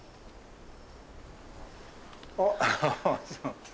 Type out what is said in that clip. あっ。